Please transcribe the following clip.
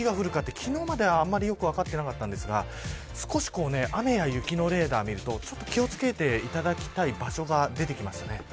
昨日まではあまり良く分からなかったんですが少し雨や雪のレーダーを見ると気を付けていただきたい場所が出てきました。